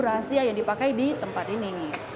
rahasia yang dipakai di tempat ini